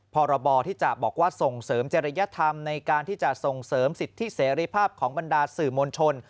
พรบที่จะบอกว่าส่งเสริมเจริยธรรมในการที่จะส่งเสริมสิทธิเสรีภาพของบรรดาสื่อมวลชน